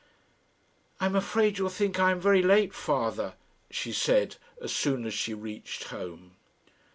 "I'm afraid you'll think I am very late, father," she said, as soon as she reached home.